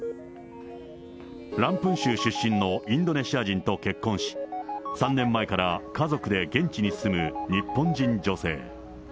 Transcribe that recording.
ランプン州出身のインドネシア人と結婚し、３年前から家族で現地に住む日本人女性。